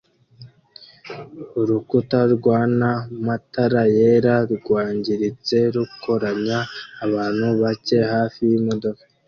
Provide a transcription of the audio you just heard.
Urukuta rwana matara yera rwangiritse rukoranya abantu bake hafi yimodoka